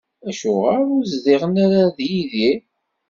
Acuɣer ur zdiɣen ara d Yidir?